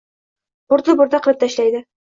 burda-burda qilib tashlaydi!